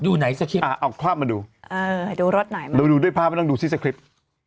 ดูไหนสคริปต์เอาภาพมาดูดูด้วยภาพมาดูที่สคริปต์